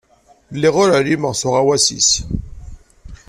Lliɣ ur ɛlimeɣ s uɣawas-is.